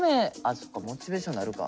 そっかモチベーションなるか。